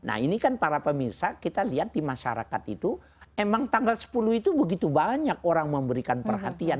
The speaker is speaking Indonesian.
nah ini kan para pemirsa kita lihat di masyarakat itu emang tanggal sepuluh itu begitu banyak orang memberikan perhatian